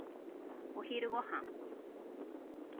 お昼ご飯。